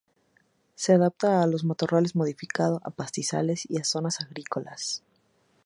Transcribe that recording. Se adapta a los matorrales modificado, a pastizales y a zonas agrícolas.